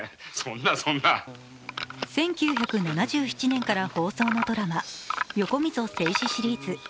１９７７年から放送のドラマ「横溝正史シリーズ」。